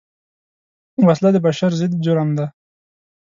وسله د بشر ضد جرم ده